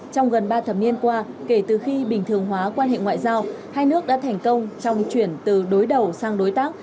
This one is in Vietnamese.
trong gần ba thập niên qua kể từ khi bình thường hóa quan hệ ngoại giao hai nước đã thành công trong chuyển từ đối đầu sang đối tác